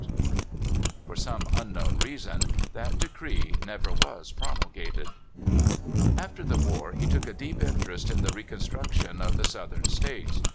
2r8 CALIFORNIA SKETCHES. For some unknown reason, that decree never was promulgated. After the war, he took a deep interest in the reconstruction of the Southern States.